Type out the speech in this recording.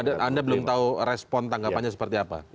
anda belum tahu respon tanggapannya seperti apa